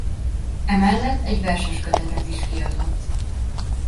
Emellett egy verseskötetet is kiadott.